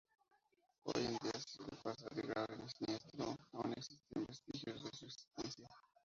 Hoy en día a pesar del grave siniestro aún existen vestigios de su existencia.